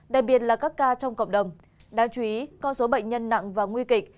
đặc biệt là các ca trong cộng đồng đáng chú ý con số bệnh nhân nặng và nguy kịch